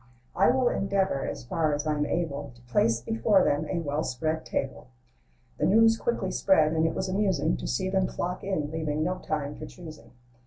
I will endeavor, as far as I'm able, To place before them a well spread table." The news quickly spread, and it was amusing To see them flock in, leaving no time for choosing.